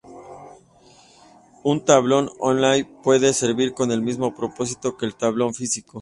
Un tablón online puede servir con el mismo propósito que el tablón físico.